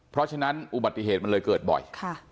เพราะฉะนั้นอุบัติเหตุมันเลยเกิดบ่อย